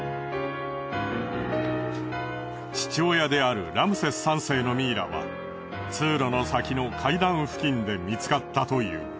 父親であるラムセス３世のミイラは通路の先の階段付近で見つかったという。